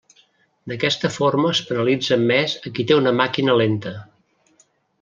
D'aquesta forma es penalitza més a qui té una màquina lenta.